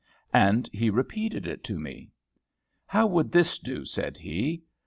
And he repeated it to me. "How would this do?" said he.